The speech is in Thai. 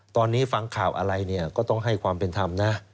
ตอนนี้ฟังข่าวอะไรเนี่ยก็ต้องให้ความเป็นธรรมนะ